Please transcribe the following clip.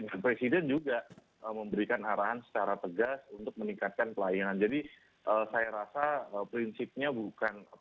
nah presiden juga memberikan arahan secara tegas untuk meningkatkan kelayangan